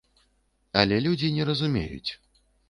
Але людзі не разумеюць.